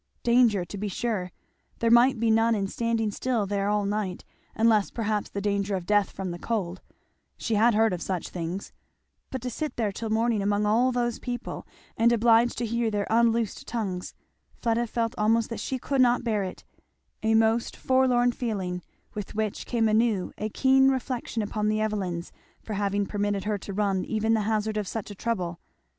Danger, to be sure, there might be none in standing still there all night, unless perhaps the danger of death from the cold; she had heard of such things; but to sit there till morning among all those people and obliged to hear their unloosed tongues, Fleda felt almost that she could not bear it, a most forlorn feeling, with which came anew a keen reflection upon the Evelyns for having permitted her to run even the hazard of such trouble.